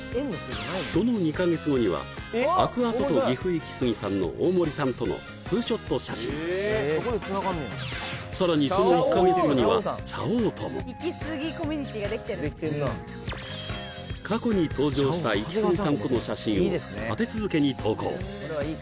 イキスギさんの大森さんとのツーショット写真さらにその１カ月後にはチャ王とも過去に登場したイキスギさんとの写真を立て続けに投稿